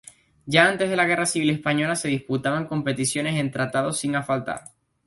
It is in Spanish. Ya antes de la Guerra Civil Española se disputaban competiciones en trazados sin asfaltar.